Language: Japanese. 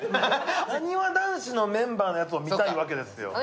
なにわ男子のメンバーのやつが見たいわけや。